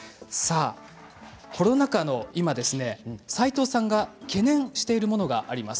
コロナ禍の今、斎藤さんが懸念していることがあります。